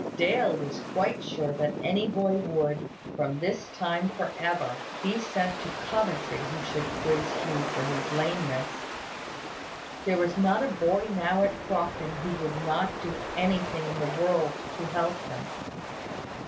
Dale was quite sure that any boy would, from this time for ever, be sent to Coventry who should quiz Hugh for his lameness. There was not a boy now at Crofton who would not do anything in the world to help him.